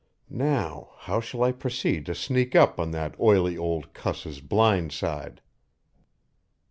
Now, how shall I proceed to sneak up on that oily old cuss's blind side?"